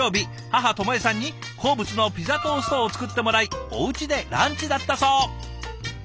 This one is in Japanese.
母朋恵さんに好物のピザトーストを作ってもらいおうちでランチだったそう。